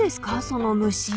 その虫］